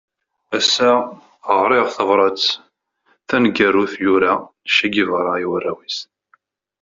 Ass-a ɣriɣ tabrat taneggarut yura Che Guevara i warraw-is.